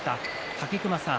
武隈さん